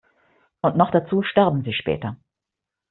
Und noch dazu sterben sie später.